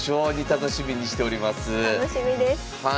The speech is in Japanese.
楽しみです。